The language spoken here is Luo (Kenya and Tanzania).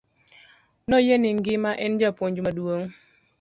Noyie ni ng'ima en japuonj maduong'.